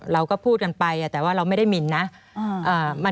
เราก็พูดกันไปแต่ว่าเราไม่ได้หมินนะ